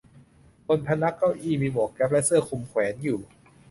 บนพนักเก้าอี้มีหมวกแก๊ปและเสื้อคลุมแขวนอยู่